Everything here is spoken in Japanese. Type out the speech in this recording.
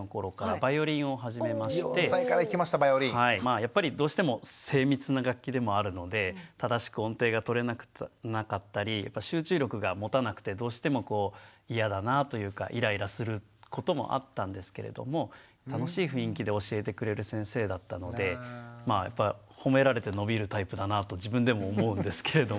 やっぱりどうしても精密な楽器でもあるので正しく音程がとれなかったり集中力がもたなくてどうしても嫌だなぁというかイライラすることもあったんですけれども楽しい雰囲気で教えてくれる先生だったのでまあやっぱ褒められて伸びるタイプだなと自分でも思うんですけれども。